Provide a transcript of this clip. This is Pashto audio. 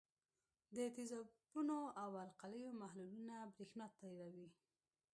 د تیزابونو او القلیو محلولونه برېښنا تیروي.